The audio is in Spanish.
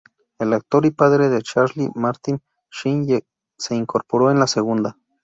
El actor y padre de Charlie, Martin Sheen se incorporó en la segunda.